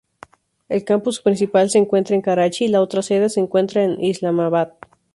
El campus principal se encuentra en Karachi, la otra sede se encuentra en Islamabad.